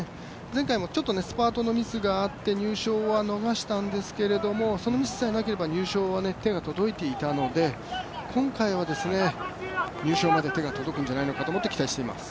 前回もスパートのミスがあって入賞は逃したんですけどそのミスさえなければ、入賞は手が届いていたので今回は入賞まで手が届くのではないかと思って期待しています。